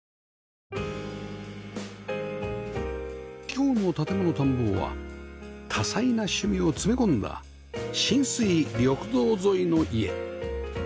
今日の『建もの探訪』は多彩な趣味を詰め込んだ親水緑道沿いの家